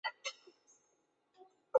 工作并不轻松